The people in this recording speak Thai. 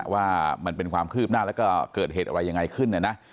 ว่ามันเป็นความคืบหน้าแล้วก็เกิดเหตุอะไรยังไงขึ้นนะนะ